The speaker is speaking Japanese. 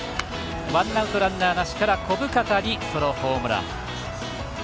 ワンアウト、ランナーなしから小深田にソロホームラン。